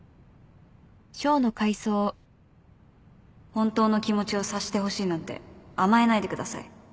本当の気持ちを察してほしいなんて甘えないでください